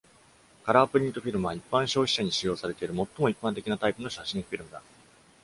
カラープリントフィルムは、一般消費者に使用されている最も一般的なタイプの写真フィルムだ。